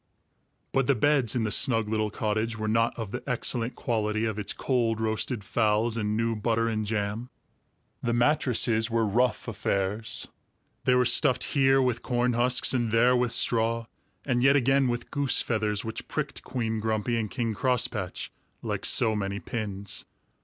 But the beds in the snug little cottage were not of the excellent quality of its cold roasted fowls and new butter and jam. The mattresses were rough affairs. They were stuffed here with corn husks and there with straw and yet again with goose feathers, which pricked Queen Grumpy and King Crosspatch like so many pins.